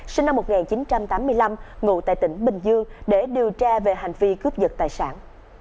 sinh năm một nghìn chín trăm tám mươi năm ngụ tại tỉnh bình dương để điều tra về hành vi cướp dật tài sản